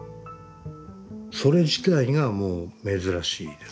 それ自体がもう珍しいですね。